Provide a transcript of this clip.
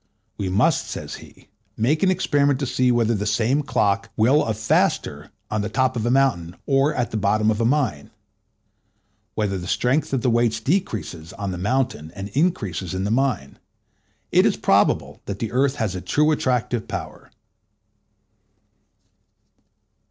We must, says he, make an experiment to see whether the same clock will of faster on the top of a mountain or at the bottom of a mine; whether the strength of the weights decreases on the mountain and increases in the mine. It is probable that the earth has a true attractive power.